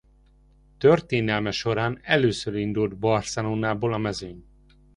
Történelme során először indult Barcelonából a mezőny.